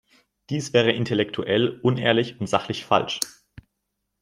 Dies wäre intellektuell unehrlich und sachlich falsch.